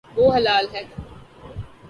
وہ ہلال ہے